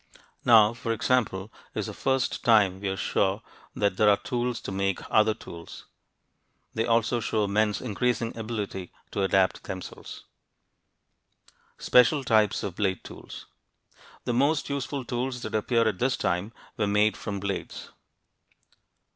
Now, for example, is the first time we are sure that there are tools to make other tools. They also show men's increasing ability to adapt themselves. SPECIAL TYPES OF BLADE TOOLS The most useful tools that appear at this time were made from blades.